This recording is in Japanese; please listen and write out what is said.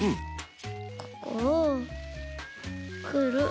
ここをくるっ。